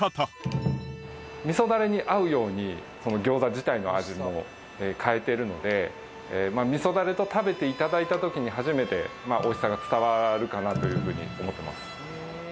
味噌ダレに合うように餃子自体の味も変えてるので味噌ダレと食べて頂いた時に初めて美味しさが伝わるかなというふうに思ってます。